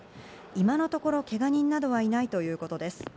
今のところ、けが人などはいないということです。